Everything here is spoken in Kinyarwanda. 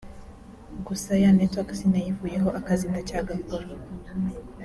Gusa ya network sinayivuyeho akazi ndacyagakora